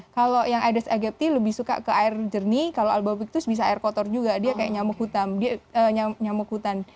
kalau aedes aegypti lebih suka ke air jernih kalau albopictus bisa air kotor juga dia kayak nyamuk hutan